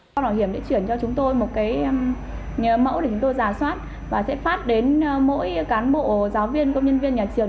sau bảo hiểm sẽ chuyển cho chúng tôi một cái mẫu để chúng tôi giả soát và sẽ phát đến mỗi cán bộ giáo viên công nhân viên nhà trường